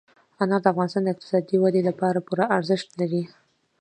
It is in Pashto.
انار د افغانستان د اقتصادي ودې لپاره پوره ارزښت لري.